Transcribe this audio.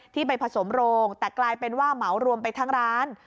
ที่ไปผสมโรงแต่กลายเป็นว่าเหมารวมไปทั้งร้าน